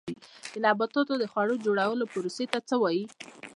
د نباتاتو د خواړو جوړولو پروسې ته څه وایي